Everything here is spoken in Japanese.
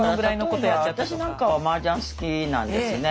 例えば私なんかはマージャン好きなんですね